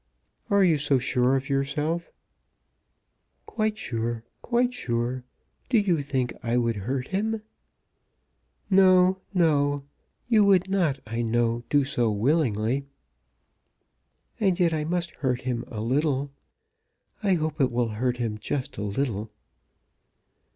"Are you so sure of yourself?" "Quite sure; quite sure. Do you think I would hurt him?" "No, no. You would not, I know, do so willingly." "And yet I must hurt him a little. I hope it will hurt him just a little."